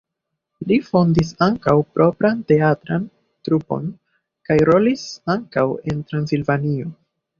Li fondis ankaŭ propran teatran trupon kaj rolis ankaŭ en Transilvanio.